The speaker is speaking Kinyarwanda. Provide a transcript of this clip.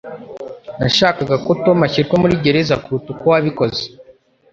Nashakaga ko Tom ashyirwa muri gereza kuruta uko wabikoze.